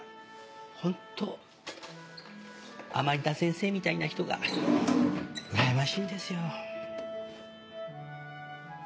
本当甘利田先生みたいな人がうらやましいですよ。